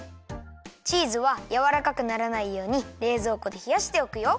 チーズはやわらかくならないようにれいぞうこでひやしておくよ。